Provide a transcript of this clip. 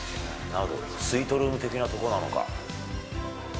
スイートルーム的な所なのか。